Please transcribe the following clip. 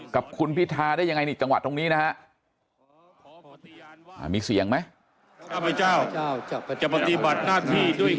กับคุณพิธาได้ยังไงนี่จังหวะตรงนี้นะฮะมีเสียงไหม